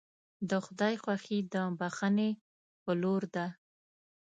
د خدای خوښي د بښنې په لور ده.